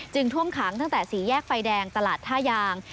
ท่วมขังตั้งแต่สี่แยกไฟแดงตลาดท่ายาง